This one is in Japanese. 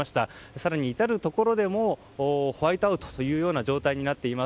更に、至るところでもホワイトアウトという状況になっています。